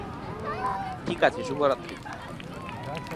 ঠিক আছে, শুভরাত্রি।